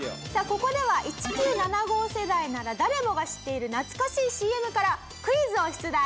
ここでは１９７５世代なら誰もが知っている懐かしいＣＭからクイズを出題します。